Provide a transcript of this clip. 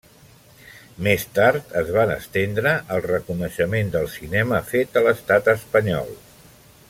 Més tard, es van estendre al reconeixement del cinema fet a l'estat espanyol.